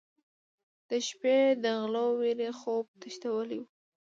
د شپې د غلو وېرې خوب تښتولی و.